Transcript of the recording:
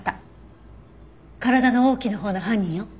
体の大きなほうの犯人よ。